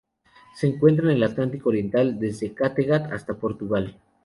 Se encuentra en el Atlántico oriental: desde Kattegat hasta Portugal.